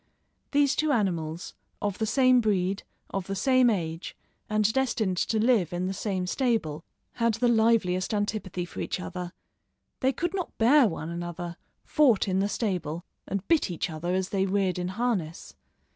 These two animals, of the same breed, of the same age, and destined to live in the same stable, had the liveliest antipathy for each other. They could not bear one another, fought in the stable, and bit each other as they reared in harness.